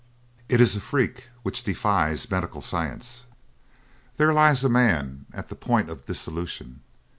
It is a freak which defies medical science. There lies a man at the point of dissolution.